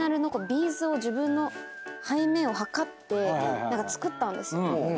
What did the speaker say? ビーズを自分の背面を測って作ったんですよ。